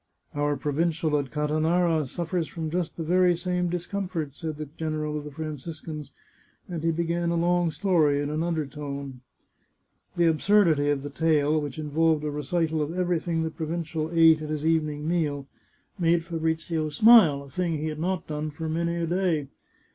" Our provincial at Catanara suffers from just the very same discomfort," said the general of the Franciscans, and he began a long story in an undertone. The absurdity of the tale, which involved a recital of everything the provincial ate at his evening meal, made Fa brizio smile, a thing he had not done for many a day.